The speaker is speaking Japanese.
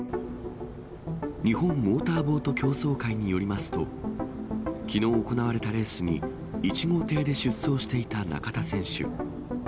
日本モーターボート競走会によりますと、きのう行われたレースに、１号艇で出走していた中田選手。